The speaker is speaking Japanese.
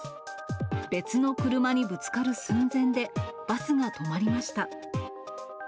別の車にぶつかる寸前で、バスが止まりました。